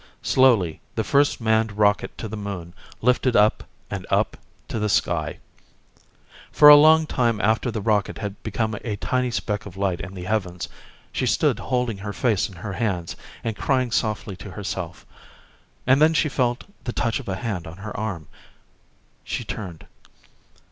Slowly, the first manned rocket to the Moon lifted up and up to the sky. For a long time after the rocket had become a tiny speck of light in the heavens, she stood holding her face in her hands and crying softly to herself. And then she felt the touch of a hand on her arm. She turned.